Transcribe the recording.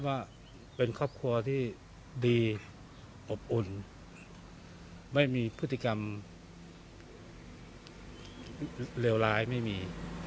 ว่าเป็นครอบครัวที่ดีอบอุ่นไม่มีพฤติกรรมเลวร้ายไม่มี